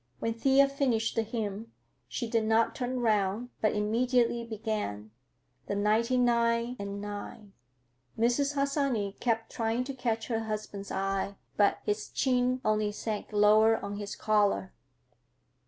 When Thea finished the hymn she did not turn around, but immediately began "The Ninety and Nine." Mrs. Harsanyi kept trying to catch her husband's eye; but his chin only sank lower on his collar.